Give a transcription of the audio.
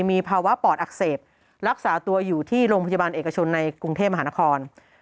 มีภาวะปอดอักเสบรักษาตัวอยู่ที่โรงพยาบาลเอกชนในกรุงเทพมหานคร